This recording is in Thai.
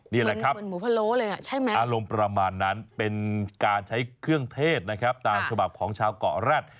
นี่อะไรครับอารมณ์ประมาณนั้นเป็นการใช้เครื่องเทศนะครับตามฉบับของชาวก่อรัฐ